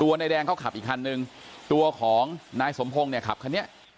นายแดงเขาขับอีกคันนึงตัวของนายสมพงศ์เนี่ยขับคันนี้